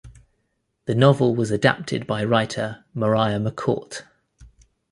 The novel was adapted by writer Mariah McCourt.